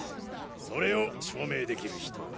それを証明できる人は？